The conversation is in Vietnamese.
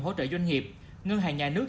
hỗ trợ doanh nghiệp ngân hàng nhà nước